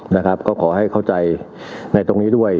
นะครับก็ขอให้เข้าใจในตรงนี้ด้วย